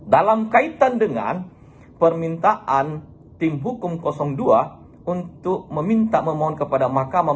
dalam kaitan dengan permintaan tim hukum dua untuk meminta memohon kepada mahkamah